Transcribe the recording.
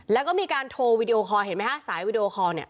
แล้วก็มีการโทรวีดีโอคอลเห็นไหมฮะสายวิดีโอคอร์เนี่ย